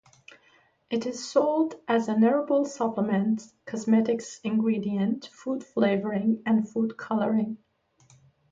It is sold as an herbal supplement, cosmetics ingredient, food flavoring, and food coloring.